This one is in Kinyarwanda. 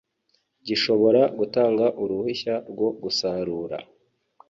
gishobora gutanga uruhushya rwo gusarura